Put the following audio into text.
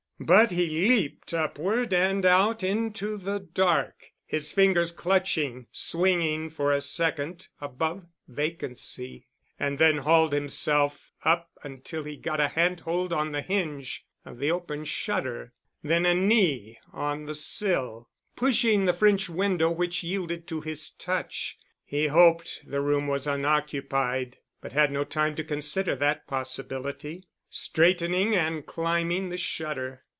But he leaped upward and out into the dark, his fingers clutching, swinging for a second above vacancy, and then hauled himself up until he got a hand hold on the hinge of the open shutter; then a knee on the sill, pushing the French window which yielded to his touch. He hoped the room was unoccupied, but had no time to consider that possibility; straightening and climbing the shutter.